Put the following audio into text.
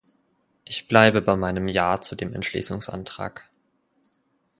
Ich bleibe bei meinem Ja zu dem Entschließungsantrag.